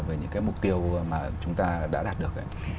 về những cái mục tiêu mà chúng ta đã đạt được